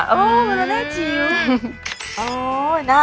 โอ้โบโลน่าจี๊ว